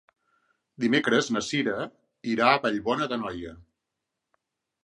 Dimecres na Cira irà a Vallbona d'Anoia.